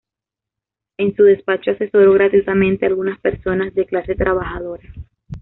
En su despacho asesoró gratuitamente a algunas personas de clase trabajadora.